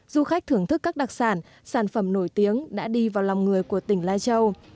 du khách thưởng thức các đặc sản sản phẩm nổi tiếng đã đi vào lòng người của tỉnh lai châu